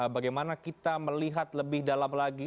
bagaimana kita melihat lebih dalam lagi